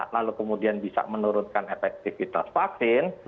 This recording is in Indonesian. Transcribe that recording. lalu kemudian bisa menurunkan efektivitas vaksin